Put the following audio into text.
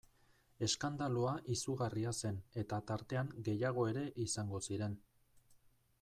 Eskandalua izugarria zen eta tartean gehiago ere izango ziren...